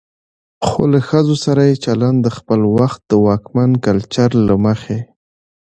خو له ښځو سره يې چلن د خپل وخت د واکمن کلچر له مخې